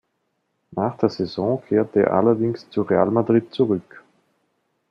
Nach der Saison kehrte er allerdings zu Real Madrid zurück.